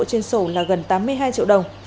trên sổ là gần tám mươi hai triệu đồng